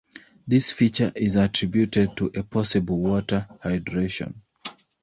This feature is attributed to a possible water hydration.